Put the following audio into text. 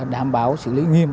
đảm bảo xử lý nghiêm